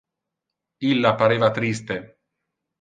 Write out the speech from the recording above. Illa pareva triste.